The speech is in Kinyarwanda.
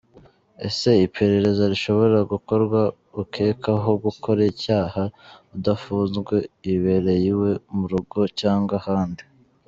Ese iperereza rishobora gukorwa ukekwaho gukora icyaha adafunzwe? Yibereye iwe mu rugo cyangwa ahandi?.